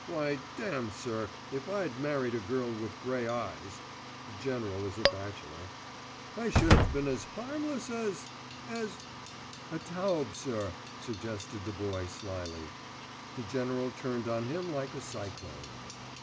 Why damme, sir, if I'd married a girl with grey eyes (the General is a bachelor) I should have been as harmless as—as——" "A taube, sir," suggested the Boy slyly. The General turned on him like a cyclone.